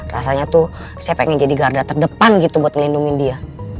rasanya tuh saya pengen jadi garda terdepan gitu buat ngelindungin dia